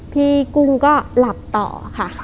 กุ้งก็หลับต่อค่ะ